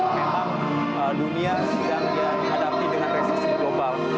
memang dunia sudah diadapti dengan resesi global